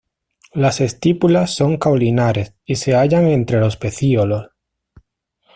Las estípulas son caulinares y se hallan entre los pecíolos.